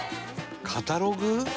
カタログ？